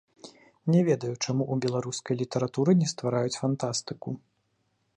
Не ведаю, чаму ў беларускай літаратуры не ствараюць фантастыку.